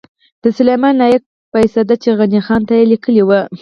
د سلیمان لایق قصیده چی غنی خان ته یی لیکلې وه